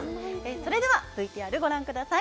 それでは、ＶＴＲ、ご覧ください。